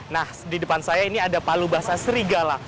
nah di depan saya ini ada palu basah serigala